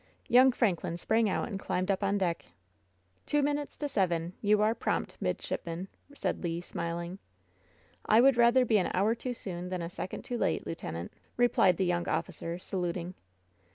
Young Franklin sprang out and climbed up on deck *Two minutes to seven! You are prompt, midship man," said Le, smiling. "I would rather be an hour too soon than a second too late, lieutenant," replied the young officer, saluting.